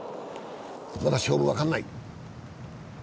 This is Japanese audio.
まだ勝負分かんない。